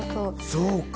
そうか。